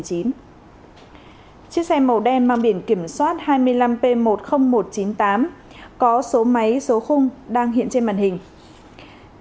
chiếc xe màu đen mang biển kiểm soát hai mươi năm p một mươi nghìn một trăm chín mươi tám có số máy số khung đang hiện trên màn hình